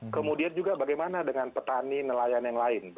kemudian juga bagaimana dengan petani nelayan yang lain